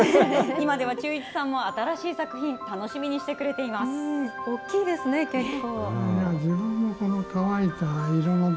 今では忠一さんも新しい作品、楽しみにし大きいですね、結構。